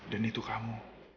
dan itu kamu